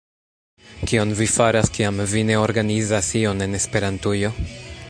Kion vi faras, kiam vi ne organizas ion en Esperantujo?